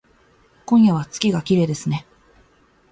今夜は月がきれいですね